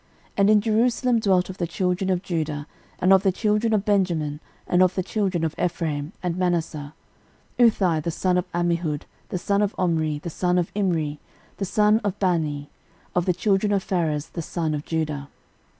13:009:003 And in Jerusalem dwelt of the children of Judah, and of the children of Benjamin, and of the children of Ephraim, and Manasseh; 13:009:004 Uthai the son of Ammihud, the son of Omri, the son of Imri, the son of Bani, of the children of Pharez the son of Judah.